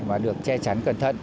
mà được che chắn cẩn thận